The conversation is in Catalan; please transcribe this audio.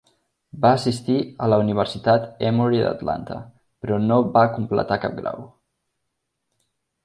Va assistir a la Universitat Emory d'Atlanta, però no va completar cap grau.